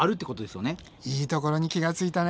いいところに気がついたね。